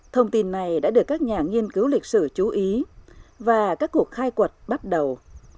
thông tin này đã được các nhà nghiên cứu lịch sử chú ý và các cuộc khai quật bắt đầu